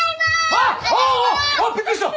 あああっびっくりした。